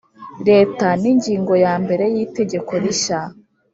Leta n ingingo ya mbere y itegeko rishya